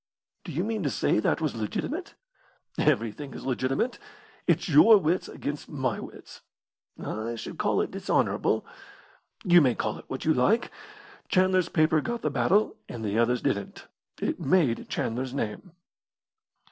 "Do you mean to say that was legitimate?" "Everything is legitimate. It's your wits against my wits." "I should call it dishonourable." "You may call it what you like. Chandler's paper got the battle and the other's didn't. It made Chandler's name."